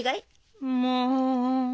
もう。